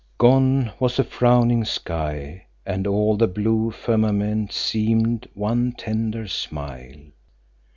Gone was the frowning sky and all the blue firmament seemed one tender smile.